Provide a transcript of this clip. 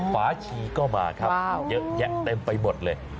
ฟ้าชีก็มาครับเยอะแยะเต็มไปหมดเลย